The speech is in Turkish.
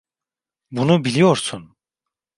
Bunu biliyorsun.